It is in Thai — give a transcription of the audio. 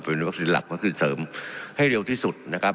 เป็นวัคซีนหลักก็คือเสริมให้เร็วที่สุดนะครับ